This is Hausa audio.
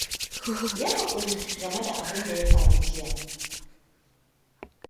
Yi hakuri game da abinda ya faru jiya.